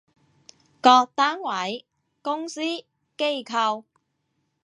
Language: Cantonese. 各單位，公司，機構